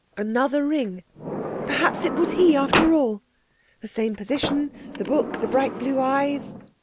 Another ring. Perhaps it was he after all! ... The same position. The book, the bright blue eyes....